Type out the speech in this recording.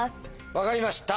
分かりました！